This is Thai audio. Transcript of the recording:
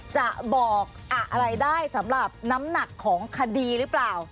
จะบอกอะไรได้สำหรับน้ำหนักของคดีหรือเปล่า